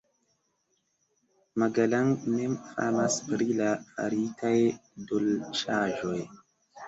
Magalang mem famas pri la faritaj dolĉaĵoj.